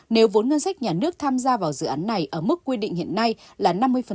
nếu vốn ngân sách nhà nước tham gia vào dự án này ở mức quy định hiện nay là năm mươi